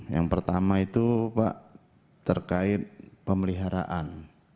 yang pertama itu pak terkait pemeliharaan